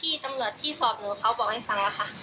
ที่ตำรวจที่สอบหนูเขาบอกให้ฟังแล้วค่ะ